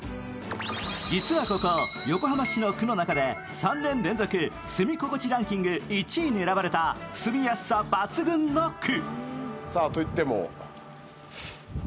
実はここ、横浜市の区の中で３年連続、住み心地ランキング１位に選ばれた住みやすさ抜群の区。